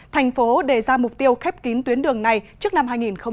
thành phố đề ra mục tiêu khép kín tuyến đường này trước năm hai nghìn hai mươi